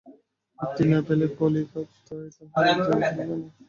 বৃত্তি না পাইলে কলিকাতায় তাহার একদিনও চলিবে না।